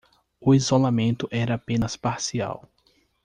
O isolamento era apenas parcial